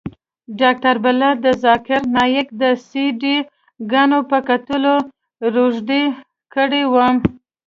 ډاکتر بلال د ذاکر نايک د سي ډي ګانو په کتلو روږدى کړى وم.